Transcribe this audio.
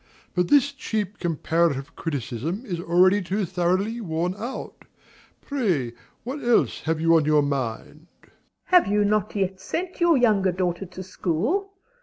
But this cheap comparative criticism is already too thoroughly worn out. Pray what else have you on your mind? MRS. S. Have you not yet sent your younger daughter to school?